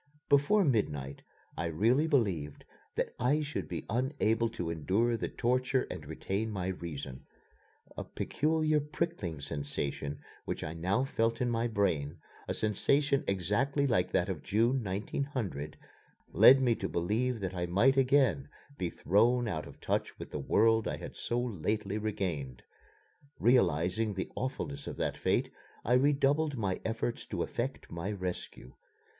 Before midnight I really believed that I should be unable to endure the torture and retain my reason. A peculiar pricking sensation which I now felt in my brain, a sensation exactly like that of June, 1900, led me to believe that I might again be thrown out of touch with the world I had so lately regained. Realizing the awfulness of that fate, I redoubled my efforts to effect my rescue.